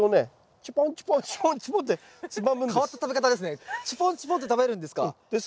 チュポンチュポンッて食べるんですか。